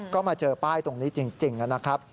ก็มาเจอป้ายตรงนี้จริงนะครับ